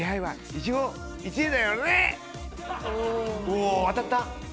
お当たった？